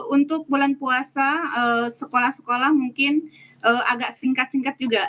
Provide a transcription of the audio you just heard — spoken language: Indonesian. untuk bulan puasa sekolah sekolah mungkin agak singkat singkat juga